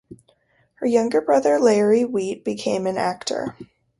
Her younger brother Larry Wheat became an actor.